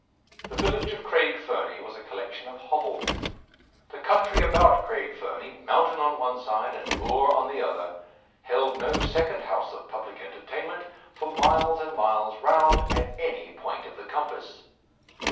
The village of Craig Fernie was a collection of hovels. The country about Craig Fernie, mountain on one side and moor on the other, held no second house of public entertainment, for miles and miles round, at any point of the compass.